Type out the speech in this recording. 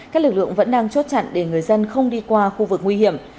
các lực lượng vẫn đang chốt chặn để người dân không đi qua khu vực nguy hiểm